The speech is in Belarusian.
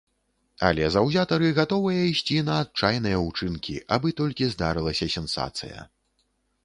Але заўзятары гатовыя ісці на адчайныя ўчынкі, абы толькі здарылася сенсацыя.